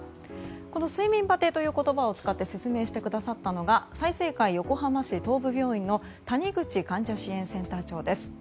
この睡眠バテという言葉を使って説明してくださったのが済生会横浜市東部病院の谷口患者支援センター長です。